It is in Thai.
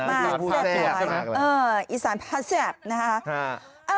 อีสานพาเซียบอ่าอีสานพาเซียบนะครับ